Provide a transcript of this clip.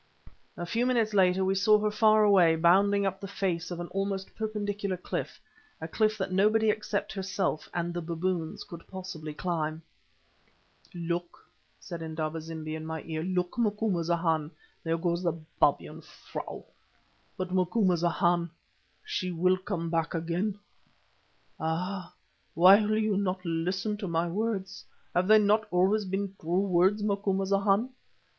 A few minutes later we saw her far away, bounding up the face of an almost perpendicular cliff—a cliff that nobody except herself and the baboons could possibly climb. "Look," said Indaba zimbi in my ear—"Look, Macumazahn, there goes the Babyan frau. But, Macumazahn, she will come back again. Ah, why will you not listen to my words. Have they not always been true words, Macumazahn?"